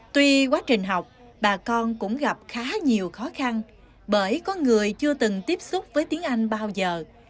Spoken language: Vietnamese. tuy quá trình học bà con cũng gặp khá nhiều khó khăn bởi có người chưa từng tiếp xúc với tiếng anh bao giờ